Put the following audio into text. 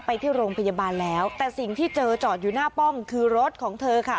ไปที่โรงพยาบาลแล้วแต่สิ่งที่เจอจอดอยู่หน้าป้อมคือรถของเธอค่ะ